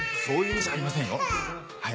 そういう意味じゃありませんよ。